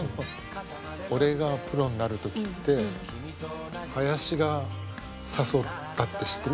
俺がプロになる時って林が誘ったって知ってる？